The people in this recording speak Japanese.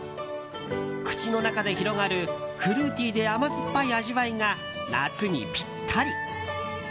口の中で広がる、フルーティーで甘酸っぱい味わいが夏にぴったり。